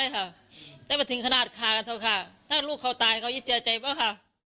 เลยค่ะไม่จริงขนาดฆ่ากันเขาค่ะถ้าลูกเขาก็ตายก็ยิ่งเสียใจแล้วค่ะ